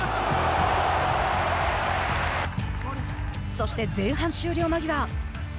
そして、前半終了間際。